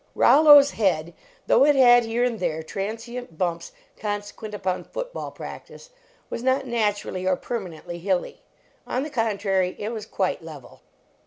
Rollo s head, though it had here and there transient bumps consequent upon foot ball practice, was not naturally or permanently hilly. On the contrary, it was quite level.